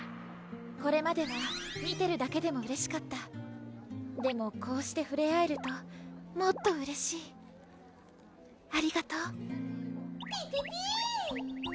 これまでは見てるだけでもうれしかったでもこうしてふれ合えるともっとうれしいありがとうピピピーピー！